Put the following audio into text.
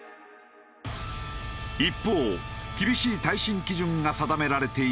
一方厳しい耐震基準が定められている日本。